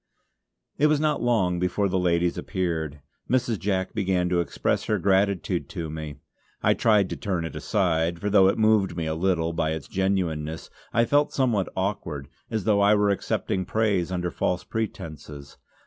It was not long before the ladies appeared. Mrs. Jack began to express her gratitude to me. I tried to turn it aside, for though it moved me a little by its genuineness, I felt somewhat awkward, as though I were accepting praise under false pretences.